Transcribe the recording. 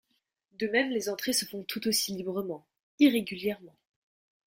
De même les entrées se font tout aussi librement, irrégulièrement.